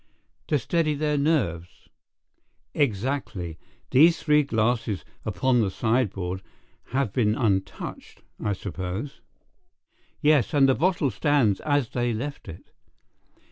"To steady their nerves." "Exactly. These three glasses upon the sideboard have been untouched, I suppose?" "Yes, and the bottle stands as they left it."